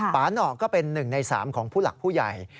ปาหนอก็เป็นหนึ่งในสามของผู้หลักผู้ใหญ่